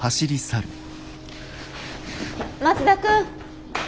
松田君！